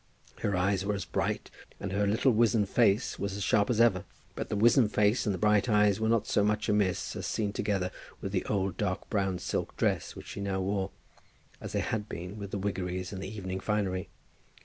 Her eyes were as bright, and her little wizen face was as sharp, as ever; but the wizen face and the bright eyes were not so much amiss as seen together with the old dark brown silk dress which she now wore, as they had been with the wiggeries and the evening finery.